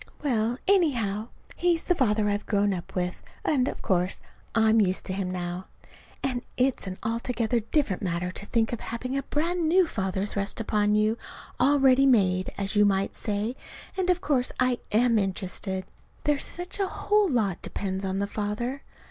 Well, anyhow, he's the father I've grown up with, and of course I'm used to him now. And it's an altogether different matter to think of having a brand new father thrust upon you, all ready made, as you might say, and of course I am interested. There's such a whole lot depends on the father.